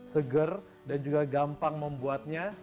seger dan juga gampang membuatnya